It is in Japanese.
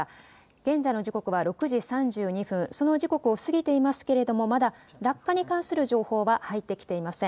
現在の時刻は６時３２分、その時刻を過ぎていますけれどもまだ落下に関する情報は入ってきていません。